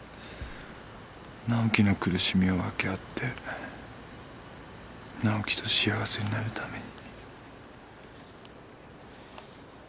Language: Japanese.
「直季の苦しみを分け合って直季と幸せになるために」